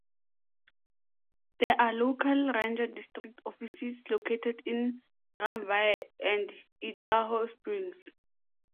There are local ranger district offices located in Granby and Idaho Springs.